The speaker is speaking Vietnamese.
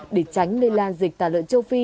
để tránh nơi lan dịch tà lợn châu phi